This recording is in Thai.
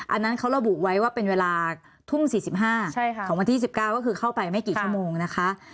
อันนั้นเขาระบุไว้ว่าเป็นเวลาทุ่ม๔๕ของวันที่๑๙ก็คือเข้าไปไม่กี่ชั่วโมงนะคะ